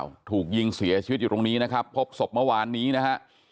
ถูกยิงเสียชีวิตอยู่ตรงนี้นะครับพบศพเมื่อวานนี้นะฮะ